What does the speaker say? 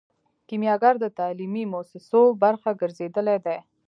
کیمیاګر د تعلیمي موسسو برخه ګرځیدلی دی.